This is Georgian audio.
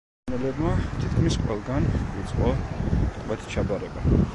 იაპონელებმა თითქმის ყველგან იწყო ტყვედ ჩაბარება.